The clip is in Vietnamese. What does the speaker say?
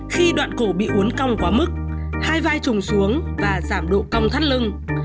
khi đoạn cổ bị uốn cong quá mức hai vai trùng xuống và giảm độ cong thắt lưng